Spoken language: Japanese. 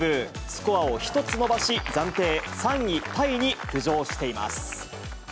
スコアを１つ伸ばし、暫定３位タイに浮上しています。